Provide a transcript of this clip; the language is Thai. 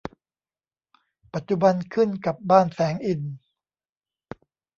ปัจจุบันขึ้นกับบ้านแสงอินทร์